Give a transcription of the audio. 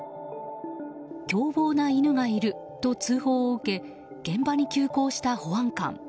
凶暴が犬がいると通報を受け現場に急行した保安官。